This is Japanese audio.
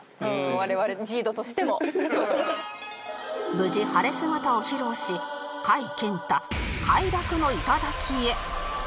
無事晴れ姿を披露し貝健太快楽の頂へ